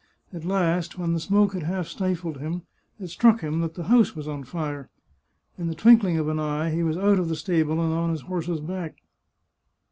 At last, when the smoke had half stifled him, it struck him that the house was on fire ; in the twinkling of an eye he was out of the stable and on his horse's back.